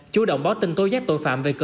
chủ động bó tình tối giác tội phạm